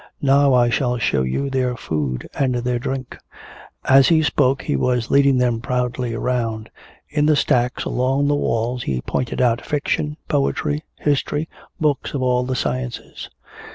Now I shall show you their food and their drink." As he spoke he was leading them proudly around. In the stacks along the walls he pointed out fiction, poetry, history, books of all the sciences.